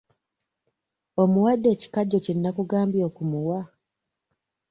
Omuwadde ekikajjo kye nnakugambye okumuwa?